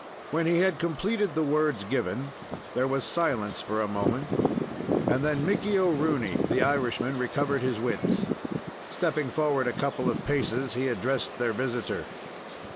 When he had completed the words given, there was silence for a moment, and then Mickey O'Rooney, the Irishman, recovered his wits. Stepping forward a couple of paces, he addressed their visitor.